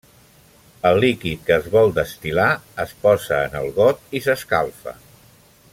El líquid que es vol destil·lar es posa en el got i s'escalfa.